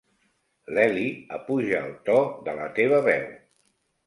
L'heli apuja el to de la teva veu.